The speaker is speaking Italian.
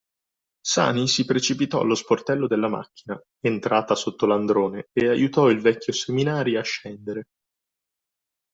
Sani si precipitò allo sportello della macchina, entrata sotto l'androne, e aiutò il vecchio Seminari a scendere.